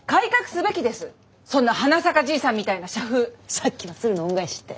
さっきは「鶴の恩返し」って。